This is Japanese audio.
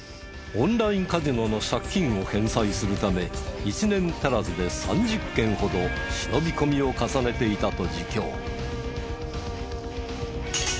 オンラインカジノの借金を返済するため１年足らずで３０件ほど忍び込みを重ねていたと自供。